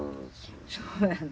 そうだね。